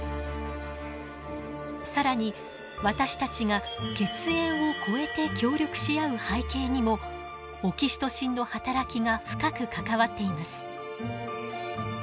更に私たちが血縁を超えて協力し合う背景にもオキシトシンの働きが深く関わっています。